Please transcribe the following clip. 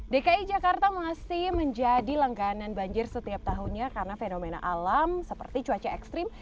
dki jakarta masih menjadi langganan banjir setiap tahunnya karena fenomena alam seperti cuaca ekstrim